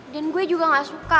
dan gue juga gak suka